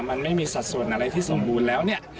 มันไม่มีสัดส่วนอะไรที่สมบูรณ์แล้วเนี่ย